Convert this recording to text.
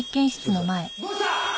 どうした！？